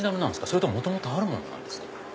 それとも元々あるものなんですか？